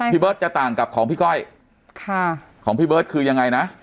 พี่เบิร์ตจะต่างกับของพี่ก้อยของพี่เบิร์ตคือยังไงนะ